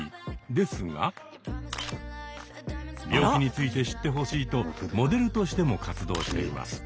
ですが病気について知ってほしいとモデルとしても活動しています。